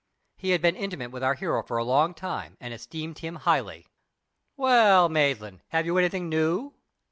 He had been intimate with our hero for a long time and esteemed him highly. "Well, Maitland, have you anything new?"